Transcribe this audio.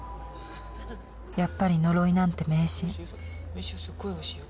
やっぱり呪いなんて迷信おいしいよ